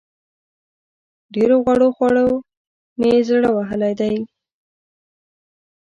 ډېرو غوړو خوړو مې زړه وهلی دی.